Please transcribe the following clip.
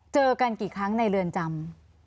เจอกันกี่ครั้งในเรือนจำ